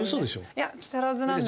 いや木更津なんです。